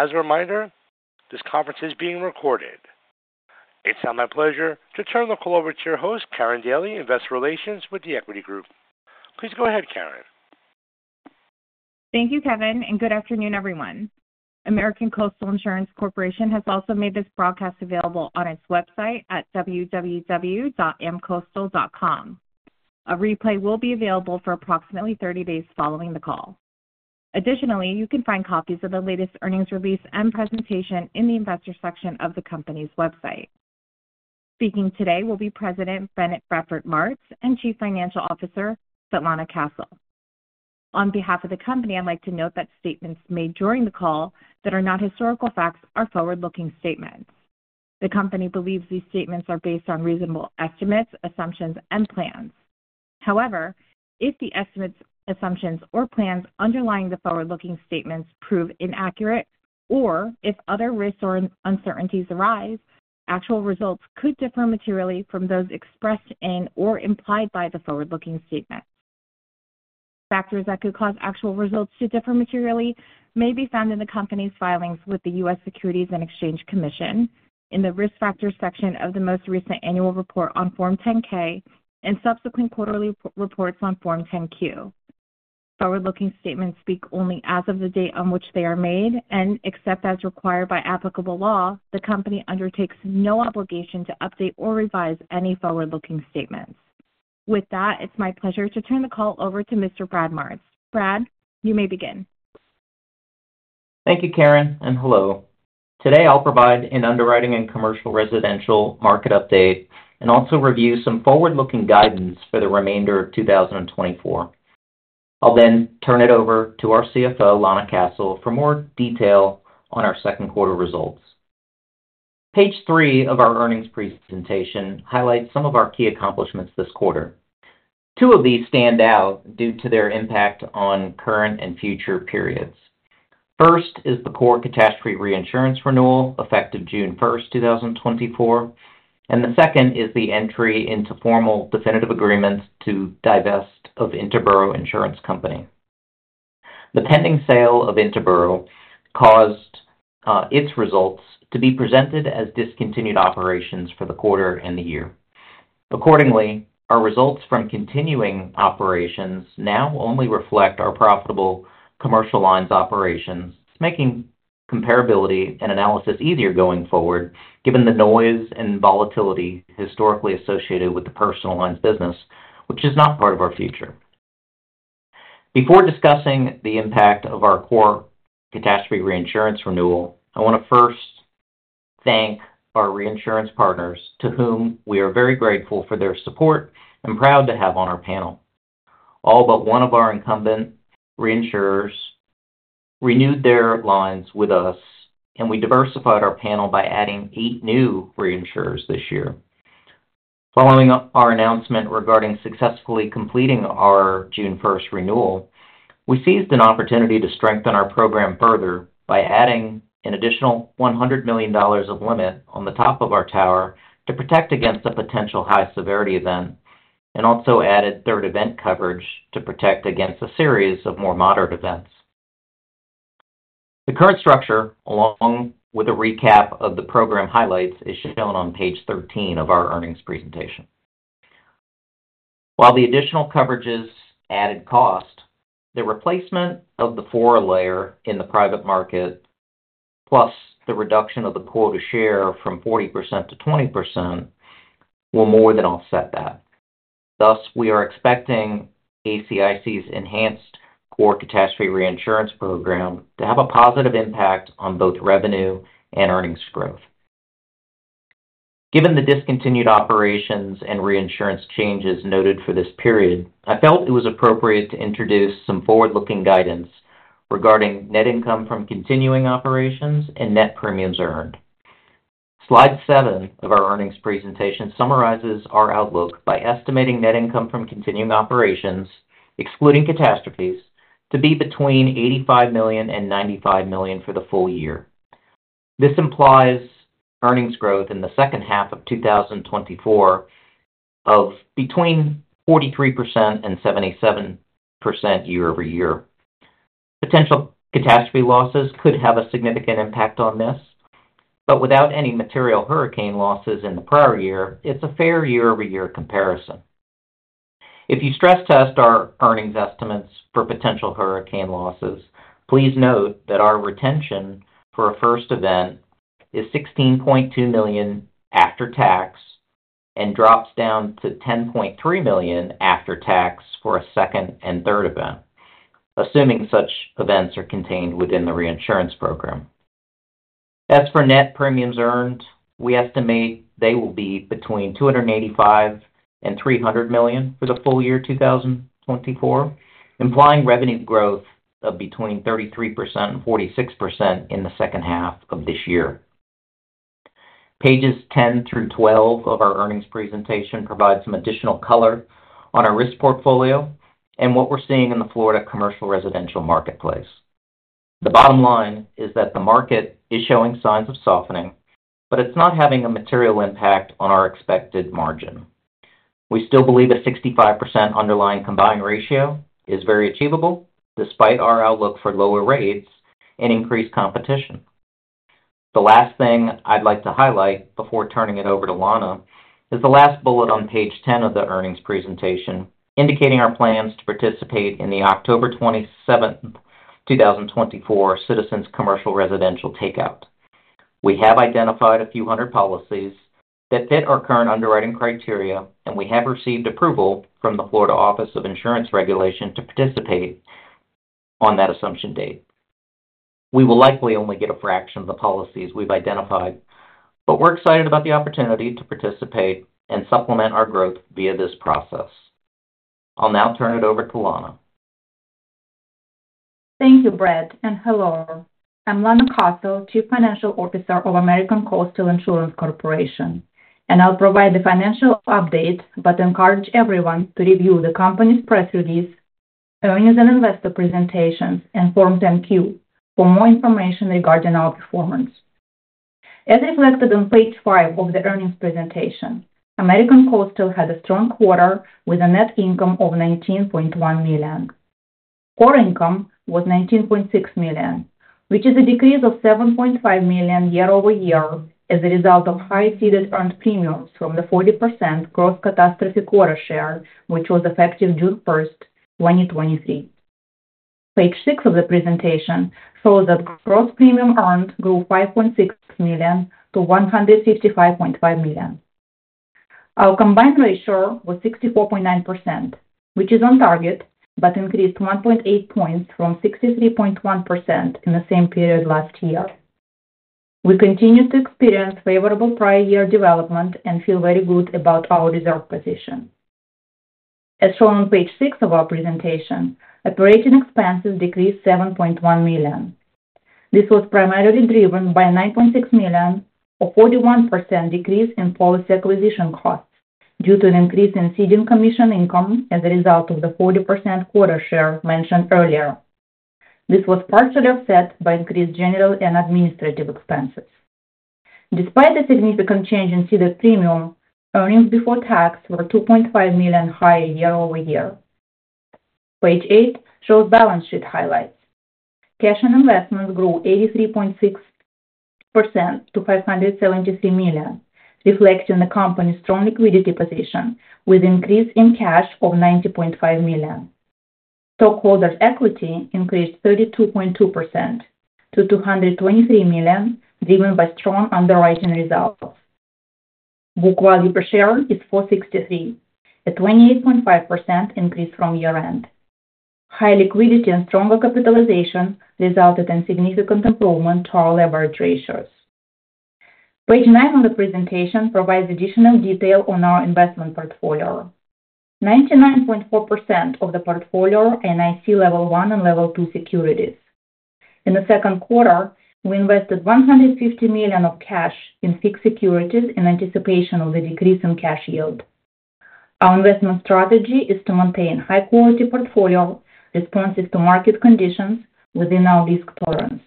As a reminder, this conference is being recorded. It's now my pleasure to turn the call over to your host, Karin Daly, Investor Relations with The Equity Group. Please go ahead, Karin Daly. Thank you, Kevin, and good afternoon, everyone. American Coastal Insurance Corporation has also made this broadcast available on its website at www.amcoastal.com. A replay will be available for approximately 30 days following the call. Additionally, you can find copies of the latest earnings release and presentation in the investor section of the company's website. Speaking today will be President Bennett Bradford Martz and Chief Financial Officer Svetlana Castle. On behalf of the company, I'd like to note that statements made during the call that are not historical facts are forward-looking statements. The company believes these statements are based on reasonable estimates, assumptions, and plans. However, if the estimates, assumptions, or plans underlying the forward-looking statements prove inaccurate, or if other risks or uncertainties arise, actual results could differ materially from those expressed in or implied by the forward-looking statements. Factors that could cause actual results to differ materially may be found in the company's filings with the U.S. Securities and Exchange Commission in the risk factors section of the most recent annual report on Form 10-K and subsequent quarterly reports on Form 10-Q. Forward-looking statements speak only as of the date on which they are made and, except as required by applicable law, the company undertakes no obligation to update or revise any forward-looking statements. With that, it's my pleasure to turn the call over to Mr. Bradford Martz. Bradford Martz, you may begin. Thank you, Karin Daly, and hello. Today, I'll provide an underwriting and commercial residential market update and also review some forward-looking guidance for the remainder of 2024. I'll then turn it over to our CFO, Svetlana Castle, for more detail on our Q2 results. Page 3 of our earnings presentation highlights some of our key accomplishments this quarter. Two of these stand out due to their impact on current and future periods. First is the core catastrophe reinsurance renewal effective June 1st, 2024, and the second is the entry into formal definitive agreements to divest of Interboro Insurance Company. The pending sale of Interboro caused its results to be presented as discontinued operations for the quarter and the year. Accordingly, our results from continuing operations now only reflect our profitable commercial lines operations, making comparability and analysis easier going forward, given the noise and volatility historically associated with the personal lines business, which is not part of our future. Before discussing the impact of our core catastrophe reinsurance renewal, I want to first thank our reinsurance partners, to whom we are very grateful for their support and proud to have on our panel. All but one of our incumbent reinsurers renewed their lines with us, and we diversified our panel by adding eight new reinsurers this year. Following our announcement regarding successfully completing our June 1 renewal, we seized an opportunity to strengthen our program further by adding an additional $100 million of limit on the top of our tower to protect against a potential high severity event and also added third event coverage to protect against a series of more moderate events. The current structure, along with a recap of the program highlights, is shown on page 13 of our earnings presentation. While the additional coverages added cost, the replacement of the four layer in the private market, plus the reduction of the quota share from 40%-20%, will more than offset that. Thus, we are expecting ACIC's enhanced core catastrophe reinsurance program to have a positive impact on both revenue and earnings growth. Given the discontinued operations and reinsurance changes noted for this period, I felt it was appropriate to introduce some forward-looking guidance regarding net income from continuing operations and net premiums earned. Slide seven of our earnings presentation summarizes our outlook by estimating net income from continuing operations, excluding catastrophes, to be between $85 million and $95 million for the full year. This implies earnings growth in the second-half of 2024 of between 43% and 77% year-over-year. Potential catastrophe losses could have a significant impact on this, but without any material hurricane losses in the prior year, it's a fair year-over-year comparison. If you stress test our earnings estimates for potential hurricane losses, please note that our retention for a first event is $16.2 million after tax and drops down to $10.3 million after tax for a second and third event, assuming such events are contained within the reinsurance program. As for net premiums earned, we estimate they will be between $285-$300 million for the full year 2024, implying revenue growth of between 33%-46% in the second half of this year. Pages 10 through 12 of our earnings presentation provide some additional color on our risk portfolio and what we're seeing in the Florida commercial residential marketplace. The bottom line is that the market is showing signs of softening, but it's not having a material impact on our expected margin. We still believe a 65% underlying combined ratio is very achievable, despite our outlook for lower rates and increased competition. The last thing I'd like to highlight before turning it over to Svetlana Castle is the last bullet on page 10 of the earnings presentation, indicating our plans to participate in the October 27, 2024, Citizens Commercial Residential Takeout. We have identified a few hundred policies that fit our current underwriting criteria, and we have received approval from the Florida Office of Insurance Regulation to participate on that assumption date. We will likely only get a fraction of the policies we've identified, but we're excited about the opportunity to participate and supplement our growth via this process. I'll now turn it over to Svetlana Castle. Thank you, Bradford Martz, and hello. I'm Svetlana Castle, Chief Financial Officer of American Coastal Insurance Corporation, and I'll provide the financial update, but encourage everyone to review the company's press release, earnings and investor presentations, and Form 10-Q for more information regarding our performance. As reflected on page five of the earnings presentation, American Coastal had a strong quarter with a net income of $19.1 million. Core income was $19.6 million, which is a decrease of $7.5 million year-over-year as a result of high ceded earned premiums from the 40% gross catastrophe quota share, which was effective June 1st, 2023. Page six of the presentation shows that gross premium earned grew $5.6 million to $155.5 million. Our combined ratio was 64.9%, which is on target, but increased 1.8 points from 63.1% in the same period last year. We continue to experience favorable prior year development and feel very good about our reserve position. As shown on page six of our presentation, operating expenses decreased $7.1 million. This was primarily driven by a $9.6 million or 41% decrease in policy acquisition costs due to an increase in ceding commission income as a result of the 40% quota share mentioned earlier. This was partially offset by increased general and administrative expenses. Despite the significant change in ceded premium, earnings before tax were $2.5 million higher year-over-year. Page 8 shows balance sheet highlights. Cash and investments grew 83.6% to $573 million, reflecting the company's strong liquidity position with an increase in cash of $90.5 million. Stockholders' equity increased 32.2% to $223 million, driven by strong underwriting results. Book value per share is $4.63, a 28.5% increase from year-end. High liquidity and stronger capitalization resulted in significant improvement to our leverage ratios. Page nine of the presentation provides additional detail on our investment portfolio. 99.4% of the portfolio are NAIC Level 1 and Level 2 securities. In the Q2, we invested $150 million of cash in fixed securities in anticipation of the decrease in cash yield. Our investment strategy is to maintain high-quality portfolio responsive to market conditions within our risk tolerance.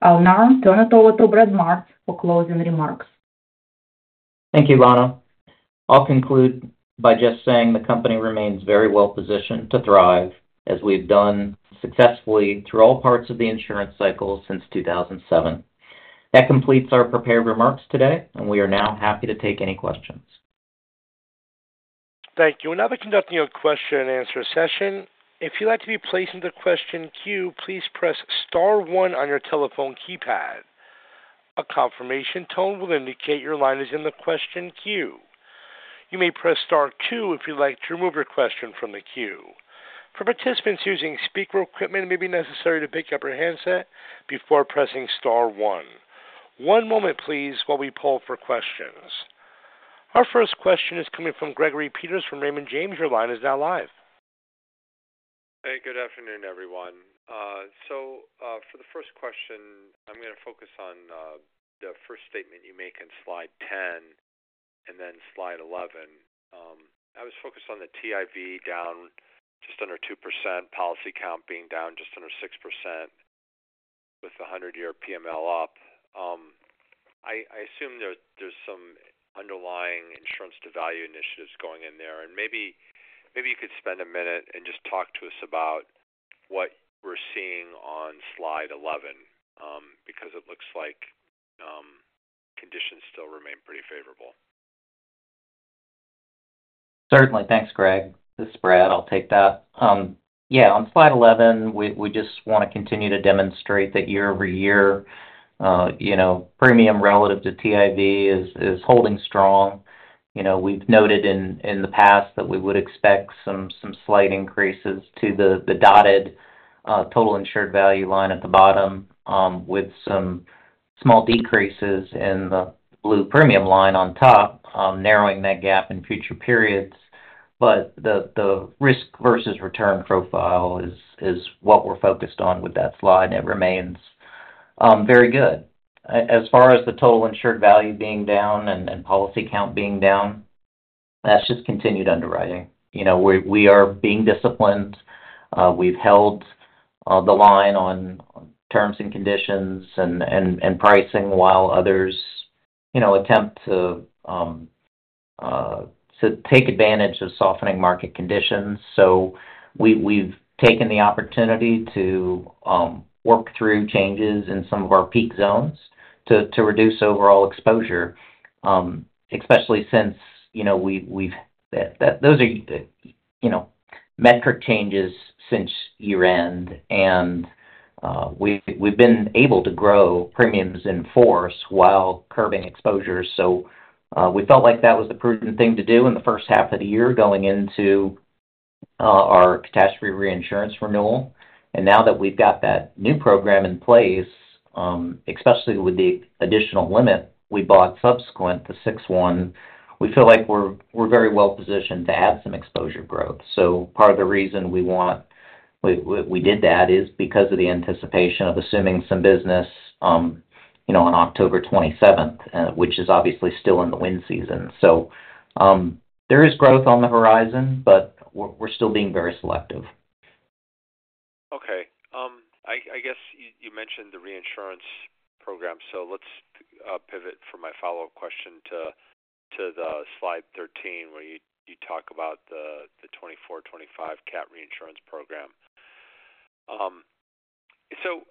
I'll now turn it over to Bradford Martz for closing remarks. Thank you, Svetlana Castle. I'll conclude by just saying the company remains very well positioned to thrive, as we've done successfully through all parts of the insurance cycle since 2007. That completes our prepared remarks today, and we are now happy to take any questions. Thank you. Now, we're conducting a Q&A session. If you'd like to be placed in the question queue, please press Star one on your telephone keypad. A confirmation tone will indicate your line is in the question queue. You may press Star two if you'd like to remove your question from the queue. For participants using speaker equipment, it may be necessary to pick up your handset before pressing Star one. One moment, please, while we poll for questions. Our first question is coming from Gregory Peters from Raymond James. Your line is now live. Hey, good afternoon, everyone. For the first question, I'm going to focus on the first statement you make in slide 10 and then slide 11. I was focused on the TIV down just under 2%, policy count being down just under 6% with the 100-year PML up. I assume there's some underlying insurance-to-value initiatives going in there. And maybe you could spend a minute and just talk to us about what we're seeing on slide 11, because it looks like conditions still remain pretty favorable. Certainly. Thanks, Gregory Peters. This is Bradford Martz. I'll take that. Yeah, on slide 11, we just want to continue to demonstrate that year-over-year premium relative to TIV is holding strong. We've noted in the past that we would expect some slight increases to the dotted total insured value line at the bottom, with some small decreases in the blue premium line on top, narrowing that gap in future periods. But the risk versus return profile is what we're focused on with that slide, and it remains very good. As far as the total insured value being down and policy count being down, that's just continued underwriting. We are being disciplined. We've held the line on terms and conditions and pricing while others attempt to take advantage of softening market conditions. So we've taken the opportunity to work through changes in some of our peak zones to reduce overall exposure, especially since we've, those are metric changes since year-end. And we've been able to grow premiums in force while curbing exposures. So we felt like that was the prudent thing to do in the first half of the year going into our catastrophe reinsurance renewal. And now that we've got that new program in place, especially with the additional limit we bought subsequent to 6.1, we feel like we're very well positioned to add some exposure growth. So part of the reason we did that is because of the anticipation of assuming some business on October 27th, which is obviously still in the wind season. So there is growth on the horizon, but we're still being very selective. Okay. I guess you mentioned the Reinsurance Program, so let's pivot from my follow-up question to the Slide 13, where you talk about the 2024-2025 Catastrophe Reinsurance Program. So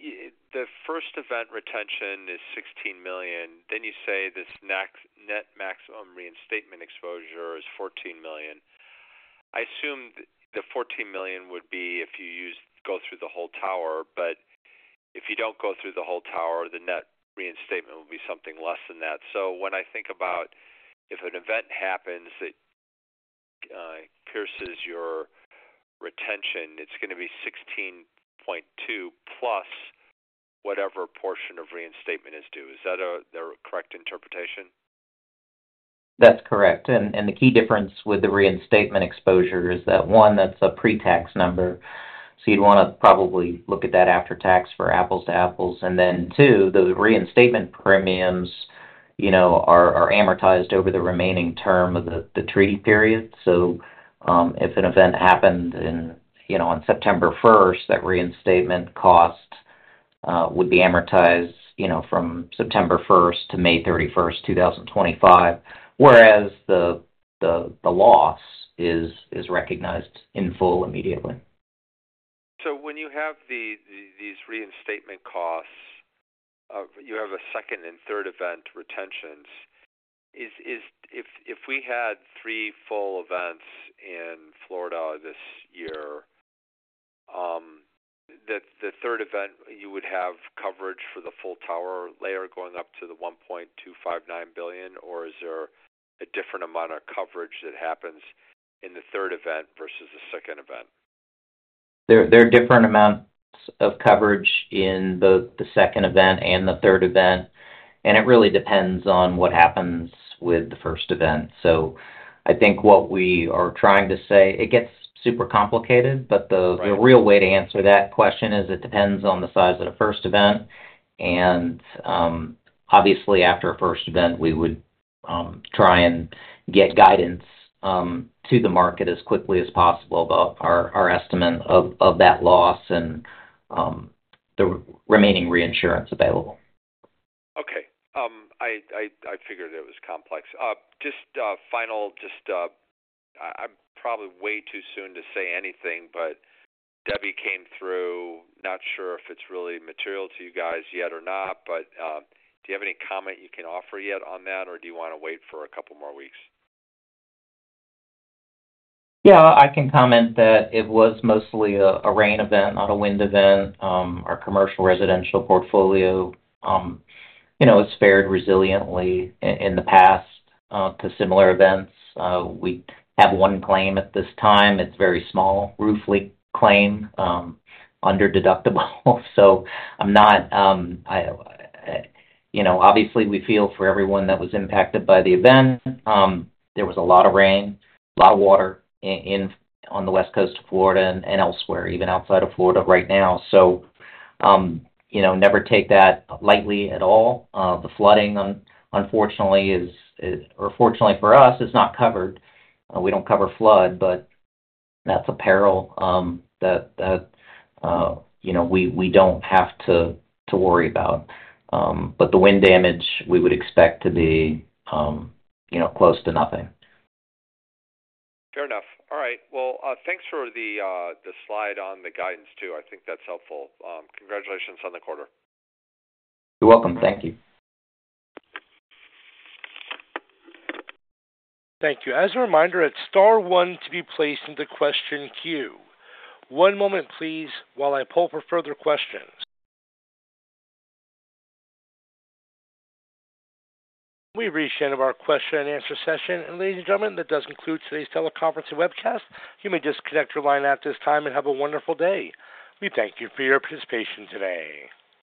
the first event retention is $16 million. Then you say this net maximum reinstatement exposure is $14 million. I assume the $14 million would be if you go through the whole tower, but if you don't go through the whole tower, the net reinstatement will be something less than that. So when I think about if an event happens that pierces your retention, it's going to be $16.2 million plus whatever portion of reinstatement is due. Is that the correct interpretation? That's correct. And the key difference with the reinstatement exposure is that, one, that's a pre-tax number, so you'd want to probably look at that after tax for apples to apples. And then, two, the reinstatement premiums are amortized over the remaining term of the treaty period. So if an event happened on September 1st, that reinstatement cost would be amortized from September 1st-May 31, 2025, whereas the loss is recognized in full immediately. So when you have these reinstatement costs, you have a second and third event retentions. If we had three full events in Florida this year, the third event, you would have coverage for the full tower layer going up to the $1.259 billion, or is there a different amount of coverage that happens in the third event versus the second event? There are different amounts of coverage in the second event and the third event, and it really depends on what happens with the first event. So I think what we are trying to say, it gets super complicated, but the real way to answer that question is it depends on the size of the first event. And obviously, after a first event, we would try and get guidance to the market as quickly as possible about our estimate of that loss and the remaining reinsurance available. Okay. I figured it was complex. Just finally, I'm probably way too soon to say anything, but Debby came through. Not sure if it's really material to you guys yet or not, but do you have any comment you can offer yet on that, or do you want to wait for a couple more weeks? Yeah, I can comment that it was mostly a rain event, not a wind event. Our commercial residential portfolio has fared resiliently in the past to similar events. We have one claim at this time. It's a very small roof leak claim under deductible. So I'm not, obviously, we feel for everyone that was impacted by the event. There was a lot of rain, a lot of water on the West Coast of Florida and elsewhere, even outside of Florida right now. So never take that lightly at all. The flooding, unfortunately, or fortunately for us, is not covered. We don't cover flood, but that's a peril that we don't have to worry about. But the wind damage, we would expect to be close to nothing. Fair enough. All right. Well, thanks for the slide on the guidance, too. I think that's helpful. Congratulations on the quarter. You're welcome. Thank you. Thank you. As a reminder, it's Star one to be placed in the question queue. One moment, please, while I poll for further questions. We reached the end of our Q&A session. And ladies and gentlemen, that does conclude today's teleconference and webcast. You may disconnect your line at this time and have a wonderful day. We thank you for your participation today.